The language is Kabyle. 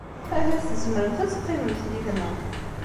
Ahat tzemremt ad teqqimemt yid-neɣ.